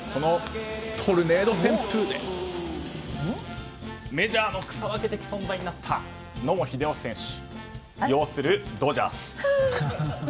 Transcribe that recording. トルネード旋風でメジャーの草分け的存在となった野茂英雄選手擁するドジャース。